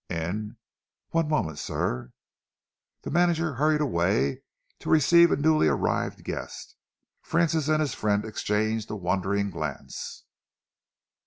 In one moment, sir." The manager hurried away to receive a newly arrived guest. Francis and his friend exchanged a wondering glance.